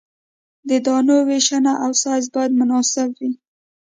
د دانو ویشنه او سایز باید مناسب وي